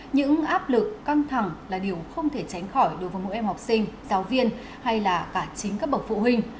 những áp lực căng thẳng là điều không thể tránh khỏi đối với mỗi em học sinh giáo viên hay là cả chính các bậc phụ huynh